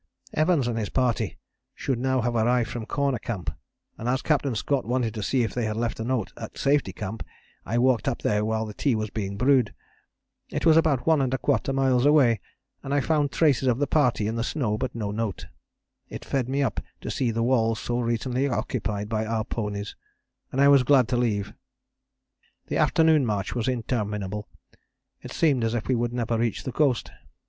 "Evans and his party should now have arrived from Corner Camp, and as Captain Scott wanted to see if they had left a note at Safety Camp, I walked up there while the tea was being brewed. It was about 1¼ miles away, and I found traces of the party in the snow, but no note. It fed me up to see the walls so recently occupied by our ponies, and I was glad to leave. The afternoon march was interminable; it seemed as if we would never reach the coast.